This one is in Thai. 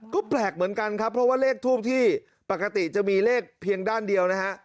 ก็แปลกเหมือนกันครับเพราะว่าเลขทูบที่ปกติจะมีเลขเพียงด้านเดียวนะฮะ